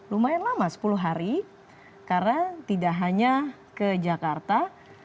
lumayan lama sepuluh hari karena tidak hanya ke jakarta